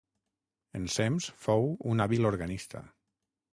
Ensems fou un hàbil organista.